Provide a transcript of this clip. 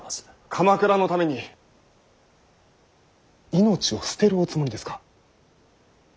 鎌倉のために命を捨てるおつもりですか。